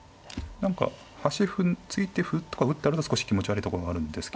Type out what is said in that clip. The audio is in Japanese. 何か端歩突いて歩とか打ってあると少し気持ち悪いところもあるんですけど。